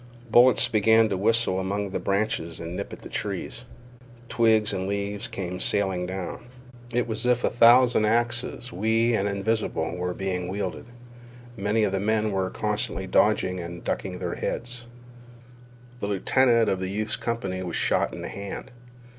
Bullets began to whistle among the branches and nip at the trees. Twigs and leaves came sailing down. It was as if a thousand axes, wee and invisible, were being wielded. Many of the men were constantly dodging and ducking their heads. The lieutenant of the youth's company was shot in the hand.